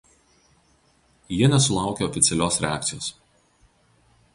Jie nesulaukė oficialios reakcijos.